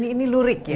ini lurik ya